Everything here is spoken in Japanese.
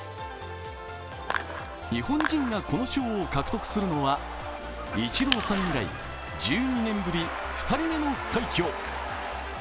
日本人がこの賞を獲得するのはイチローさん以来１２年ぶり２人目の快挙。